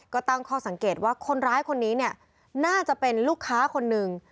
ก็ตั้งข้อสังเกตว่าคนร้ายคนนี้เนี่ยน่าจะเป็นลูกค้าคนหนึ่ง